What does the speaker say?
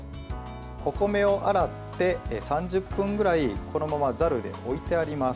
お米を洗って３０分ぐらいこのままざるで置いてあります。